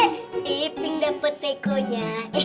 iping dapat teko nya